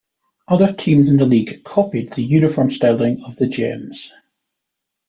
Other teams in the league copied the uniform styling of the Gems.